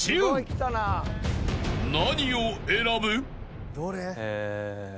［何を選ぶ？］